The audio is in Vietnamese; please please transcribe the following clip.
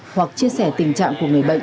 hoặc chia sẻ tình trạng của người bệnh